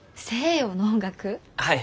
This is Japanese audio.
はい。